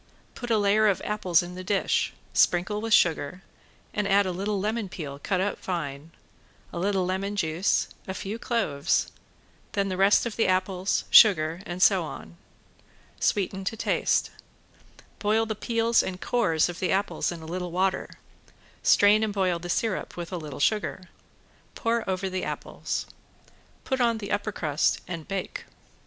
Put a layer of apples in the dish, sprinkle with sugar, and add a little lemon peel, cut up fine, a little lemon juice, a few cloves; then the rest of the apples, sugar and so on. Sweeten to taste. Boil the peels and cores of the apples in a little water, strain and boil the syrup with a little sugar. Pour over the apples. Put on the upper crust and bake.